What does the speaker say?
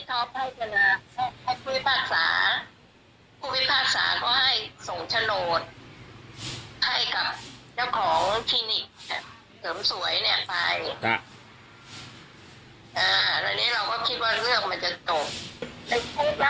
ถ้าเขาออกมาจากคุกนะเมทจะ